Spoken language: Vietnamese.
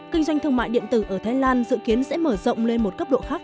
kinh doanh thương mại điện tử ở thái lan dự kiến sẽ mở rộng lên một cấp độ khác